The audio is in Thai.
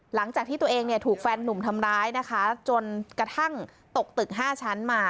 หลังจากที่ตัวเองเนี่ยถูกแฟนหนุ่มทำร้ายนะคะจนกระทั่งตกตึก๕ชั้นมา